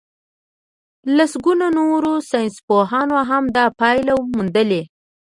لسګونو نورو ساينسپوهانو هم دا پايله موندلې.